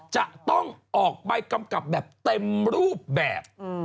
จะต้องออกใบกำกับแบบเต็มรูปแบบ